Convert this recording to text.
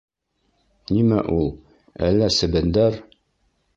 Нимә ул, әллә себендәр?